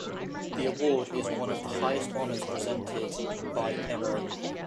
The award is one of the highest honors presented by Emory.